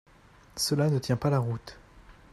Cela ne tient pas la route.